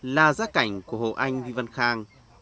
là giác cảnh của hồ anh vy văn khang